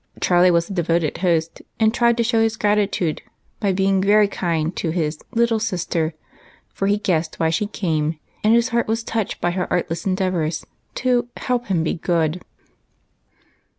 Charlie was a devoted host, and tried to show his gratitude by being very kind to his " little sister," for he guessed why she came, and his heart was touched by her artless endeav ors to " help him be good."